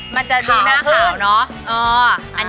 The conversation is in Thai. มันจะดูหน้าขาวเนอะ